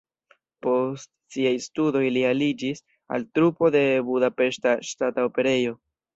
Post siaj studoj li aliĝis al trupo de Budapeŝta Ŝtata Operejo.